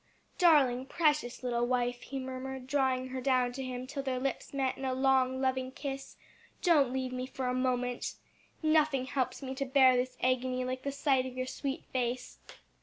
"Darling, precious little wife," he murmured, drawing her down to him till their lips met in a long loving kiss, "don't leave me for a moment. Nothing helps me to bear this agony like the sight of your sweet face."